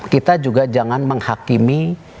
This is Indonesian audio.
kita juga jangan menghakimi